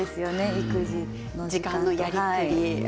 育児の時間やりくり。